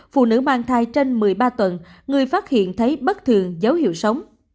phụ nữ mang thai trên một mươi ba tuần người phát hiện thấy bất thường dấu hiệu sống